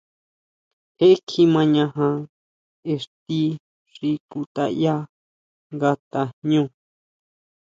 Je kjimañaja ixti xi kutʼayá nga tajñú.